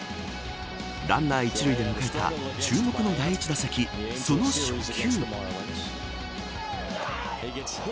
ランナー１塁で迎えた注目の第１打席その初球。